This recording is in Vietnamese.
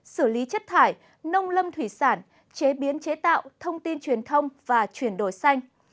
xử lý chất thải nông lâm thủy sản chế biến chế tạo thông tin truyền thông và chuyển đổi xanh